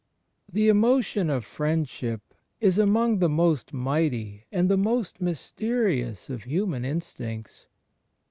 The emotion of friendship is amongst the most mighty and the most mysterious of himian instincts.